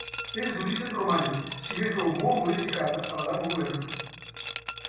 És d'origen romànic, si bé fou molt modificada a l'edat moderna.